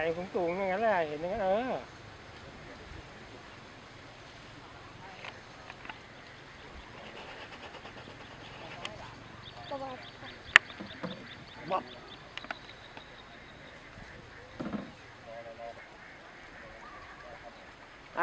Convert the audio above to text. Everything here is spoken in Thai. มันสูงนั่นแหละ